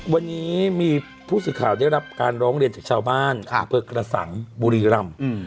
วันนี้มีผู้สื่อข่าวได้รับการร้องเรียนจากชาวบ้านอำเภอกระสังบุรีรำ